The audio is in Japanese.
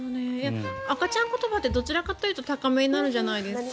赤ちゃん言葉ってどちらかというと高めになるじゃないですか。